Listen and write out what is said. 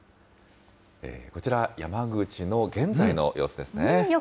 こちら、山口の現在の様子ですね。